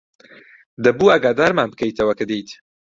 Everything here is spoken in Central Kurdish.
دەبوو ئاگادارمان بکەیتەوە کە دێیت.